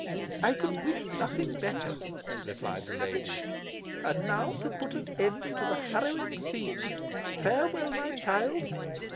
"I could wish nothing better," replied the lady, "and now to put an end to this harrowing scene. Farewell, my child.